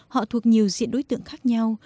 họ thuộc nhiều diện đối tượng khác nhau